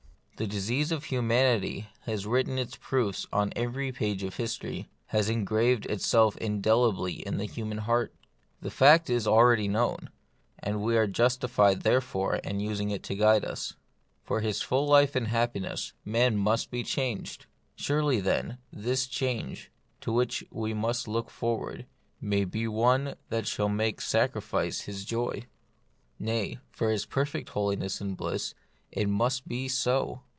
The disease of humanity has writ ten its proofs on every page of history, has engraved itself indelibly on the human heart. The fact is already known, and we are jus tified therefore in using it to guide us. For his full life and happiness, man must be changed : we know it well. Surely, then, this change, to which we must look forward, may be one that shall make sacrifice his joy. Nay, for his perfect holiness and bliss, it must be so.